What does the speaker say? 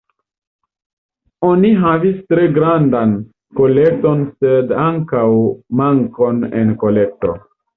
Oni havis tre grandan kolekton sed ankaŭ mankon en kolekto.